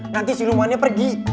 nanti silumannya pergi